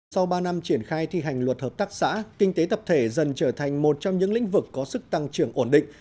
sau ba năm triển khai thi hành luật hợp tác xã kinh tế tập thể dần trở thành một trong những lĩnh vực có sức tăng trưởng ổn định